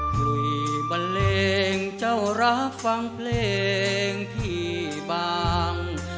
คุยบันเลงเจ้ารักฟังเพลงพี่บาง